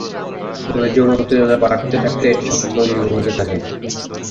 তবে যৌন উত্তেজনা বাড়তে থাকলে এটি শক্ত ও দীর্ঘ হতে থাকে।